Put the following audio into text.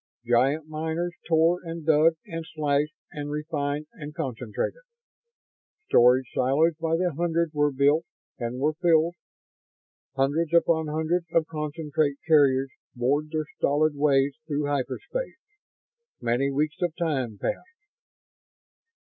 Giant miners tore and dug and slashed and refined and concentrated. Storage silos by the hundreds were built and were filled. Hundreds upon hundreds of concentrate carriers bored their stolid ways through hyperspace. Many weeks of time passed.